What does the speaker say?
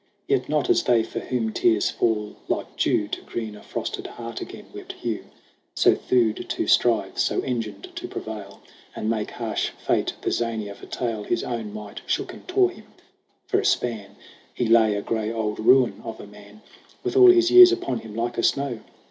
Yet not as they for whom tears fall like dew To green a frosted heart again, wept Hugh. So thewed to strive, so engined to prevail And make harsh fate the zany of a tale, His own might shook and tore him. For a span He lay, a gray old ruin of a man With all his years upon him like a snow.